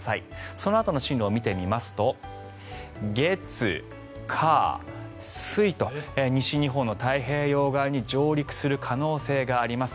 そのあとの進路を見てみますと月火水と西日本の太平洋側に上陸する可能性があります。